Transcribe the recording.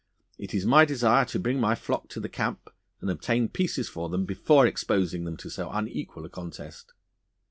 It is my desire to bring my flock to the camp and obtain pieces for them before exposing them to so unequal a contest.